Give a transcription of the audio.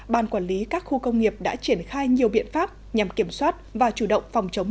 ban quản lý các khu công nghiệp đã triển khai nhiều biện pháp nhằm kiểm soát và chủ động phòng chống